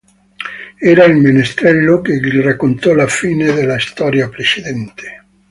Era il menestrello che gli raccontò la fine della storia precedente.